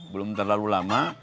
belum terlalu lama